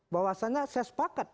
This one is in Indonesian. bahwasannya saya sepakat